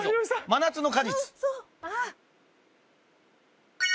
「真夏の果実」